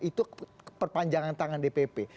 itu perpanjangan tangan dpp